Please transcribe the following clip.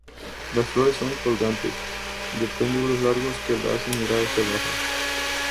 Las flores son colgantes, de pedúnculos largos que las hacen mirar hacia abajo.